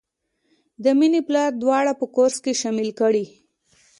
د مینې پلار دواړه په کورس کې شاملې کړې